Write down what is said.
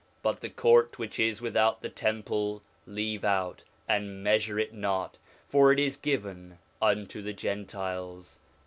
'But the court which is without the temple leave out, and measure it not, for it is given unto the Gentiles.'